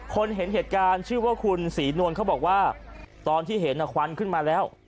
เห็นเหตุการณ์ชื่อว่าคุณศรีนวลเขาบอกว่าตอนที่เห็นควันขึ้นมาแล้ว